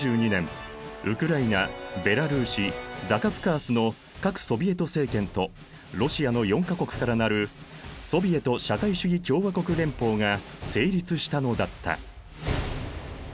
ウクライナベラルーシザカフカースの各ソヴィエト政権とロシアの４か国からなるソヴィエト社会主義共和国連邦が成立したのだった。